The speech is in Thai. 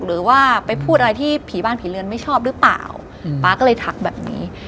หรือว่าไปพูดอะไรที่ผีบ้านผีเรือนไม่ชอบหรือเปล่าป๊าก็เลยทักแบบนี้